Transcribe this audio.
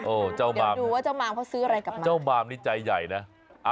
โอ้เจ้ามามเจ้ามามนี่ใจใหญ่นะเดี๋ยวดูว่าเจ้ามามเขาซื้ออะไรกับมัน